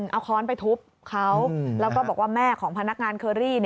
เอาค้อนไปทุบเขาแล้วก็บอกว่าแม่ของพนักงานเคอรี่